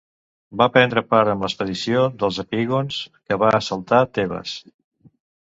Va prendre part en l'expedició dels epígons que va assaltar Tebes.